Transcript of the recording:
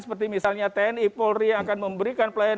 seperti misalnya tni polri yang akan memberikan pelayanan